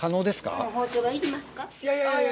いやいやいや！